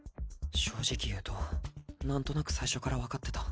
正直言うと何となく最初から分かってた。